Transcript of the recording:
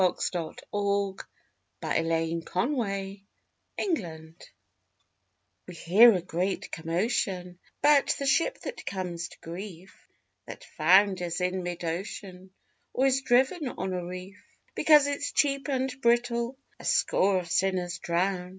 THE SHIPS THAT WON'T GO DOWN We hear a great commotion 'Bout the ship that comes to grief, That founders in mid ocean, Or is driven on a reef; Because it's cheap and brittle A score of sinners drown.